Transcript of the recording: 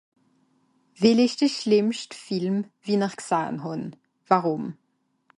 Well ìsch de schlìmmscht Film, wi-n'r gsahn hàn? Warum?